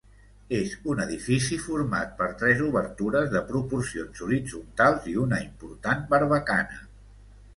És un edifici format per tres obertures de proporcions horitzontals i una important barbacana.